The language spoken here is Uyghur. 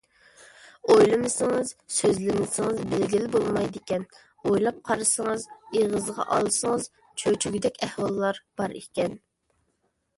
ئويلىمىسىڭىز، سۆزلىمىسىڭىز بىلگىلى بولمايدىكەن، ئويلاپ قارىسىڭىز، ئېغىزغا ئالسىڭىز چۆچۈگۈدەك ئەھۋاللار بار ئىكەن.